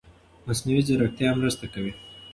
مصنوعي ځيرکتیا مرسته کوي.